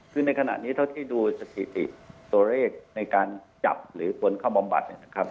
คือในขณะนี้เท่าที่ดูสจิติสัทดิสตรูเรทจำหรือผลเข้าบำบัดนะครับ